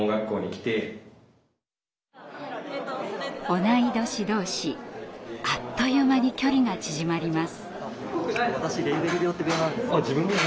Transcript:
同い年同士あっという間に距離が縮まります。